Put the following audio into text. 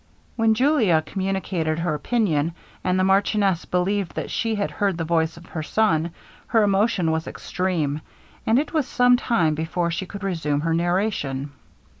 When Julia communicated her opinion, and the marchioness believed that she had heard the voice of her son her emotion was extreme, and it was some time before she could resume her narration.